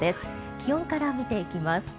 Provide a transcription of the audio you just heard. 気温から見ていきます。